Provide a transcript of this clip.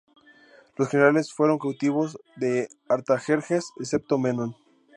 Los generales fueron cautivos de Artajerjes, excepto Menón.